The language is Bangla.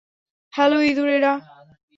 হ্যালো, ইঁদুরেরা।